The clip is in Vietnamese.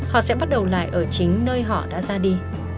họ sẽ bắt đầu lại ở chính nơi họ đã ra đi